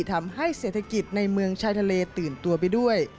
ทำให้เศรษฐกิจในเมืองชายทะเลตื่นตัวไปด้วย